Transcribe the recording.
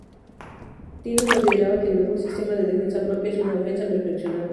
Tino consideraba que el mejor sistema de defensa propia es una ofensa perfeccionada.